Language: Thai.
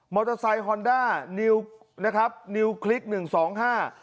เตอร์ไซคอนด้านิวนะครับนิวคลิกหนึ่งสองห้า